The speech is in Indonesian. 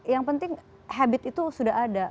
yang penting habit itu sudah ada